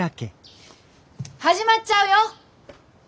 始まっちゃうよ！